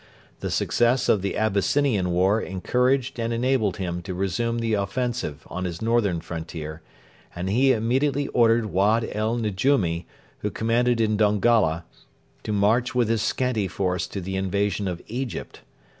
The success of the Abyssinian war encouraged and enabled him to resume the offensive on his northern frontier, and he immediately ordered Wad el Nejumi, who commanded in Dongola, to march with his scanty force to the invasion of Egypt.